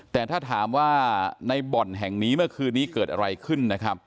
แต่ถ้าถามว่าในบ่อนแห่งนี้เมื่อคืนนี้เกิดอะไรขึ้นนะครับ